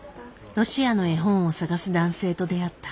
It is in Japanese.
ロシアの絵本を探す男性と出会った。